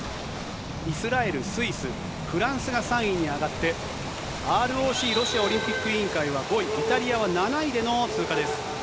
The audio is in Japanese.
イスラエル、スイス、フランスが３位に上がって、ＲＯＣ・ロシアオリンピック委員会は５位、イタリアは７位での通過です。